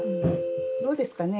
どうですかね。